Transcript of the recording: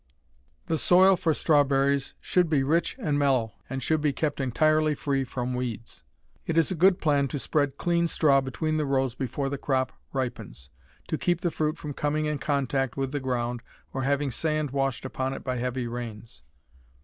The soil for strawberries should be rich and mellow, and should be kept entirely free from weeds. It is a good plan to spread clean straw between the rows before the crop ripens, to keep the fruit from coming in contact with the ground or having sand washed upon it by heavy rains.